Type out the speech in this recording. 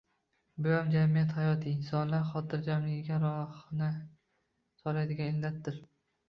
Buyam jamiyat hayoti, insonlar xotirjamligiga rahna soladigan illatdir.